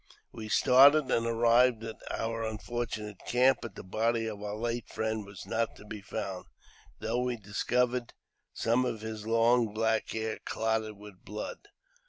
We started, and arrived at our unfortunate camp, but the body of our late friend was not to be found, though we dis covered some of his long black hair clotted with blood.